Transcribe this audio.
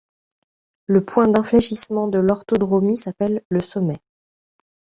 Le point d'infléchissement de l'orthodromie s'appelle le sommet.